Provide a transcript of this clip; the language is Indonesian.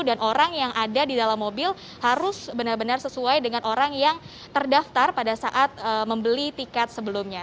dan orang yang ada di dalam mobil harus benar benar sesuai dengan orang yang terdaftar pada saat membeli tiket sebelumnya